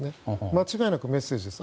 間違いなくメッセージです。